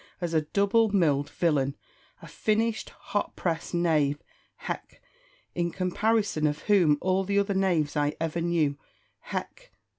as a double milled villain, a finished, hot pressed knave (hech!), in comparison of whom all the other knaves I ever knew (hech!)